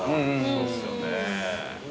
そうっすよね。